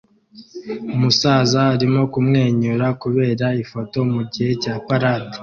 Umu saza arimo kumwenyura kubera ifoto mugihe cya parade